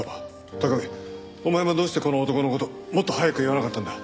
拓海お前もどうしてこの男の事をもっと早く言わなかったんだ？